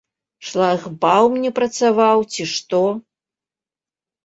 Шлагбаум не працаваў, ці што.